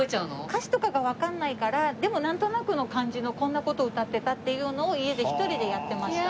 歌詞とかがわからないからでもなんとなくの感じのこんな事を歌ってたっていうのを家で一人でやってました。